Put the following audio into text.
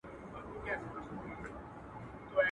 o د لښکر په شا کي ځه، په سر کې راځه.